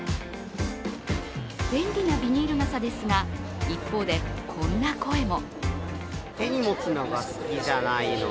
便利なビニール傘ですが一方でこんな声も。